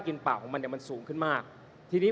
คุณเขตรัฐพยายามจะบอกว่าโอ้เลิกพูดเถอะประชาธิปไตย